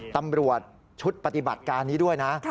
ตำรวจชุดปฏิบัติการนี้ด้วยนะ